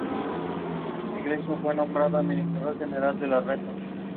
He was known to give autograph in an artistic manner.